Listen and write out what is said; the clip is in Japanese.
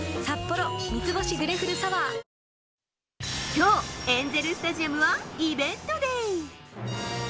きょう、エンゼル・スタジアムはイベントデー。